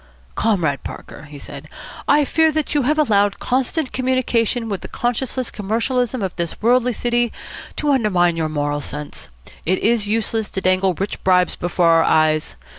"Comrade Parker," he said, "I fear that you have allowed constant communication with the conscienceless commercialism of this worldly city to undermine your moral sense. It is useless to dangle rich bribes before our eyes.